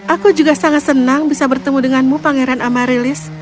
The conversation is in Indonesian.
aku juga sangat senang bisa bertemu denganmu pangeran amarilis